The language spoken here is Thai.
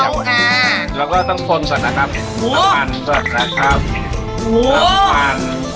เพราะว่าน้ำมันจะได้รอดเร็วแล้วถ้าน้ำมันเนี่ยจะให้อุณหภูมิ๑๕๐องศา